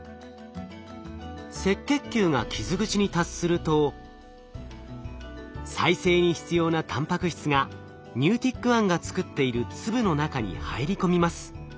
赤血球が傷口に達すると再生に必要なたんぱく質がＮｅｗｔｉｃ１が作っている粒の中に入り込みます。